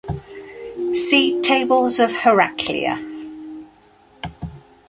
See Tables of Heraclea.